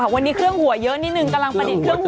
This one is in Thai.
วันนี้เครื่องหัวเยอะนิดนึงกำลังประดิษฐ์เครื่องหัว